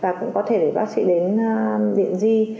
và cũng có thể để bác sĩ đến diện di